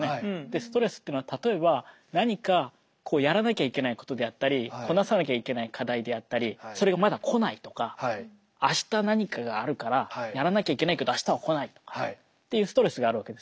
ストレスっていうのは例えば何かやらなきゃいけないことであったりこなさなきゃいけない課題であったりそれがまだ来ないとか明日何かがあるからやらなきゃいけないけど明日は来ないとかっていうストレスがあるわけですよね。